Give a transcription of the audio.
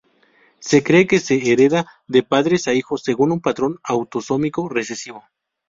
Se cree que se hereda de padres a hijos según un patrón autosómico recesivo.